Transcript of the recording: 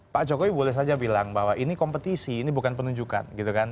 pak jokowi boleh saja bilang bahwa ini kompetisi ini bukan penunjukan gitu kan